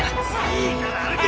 いいから歩け！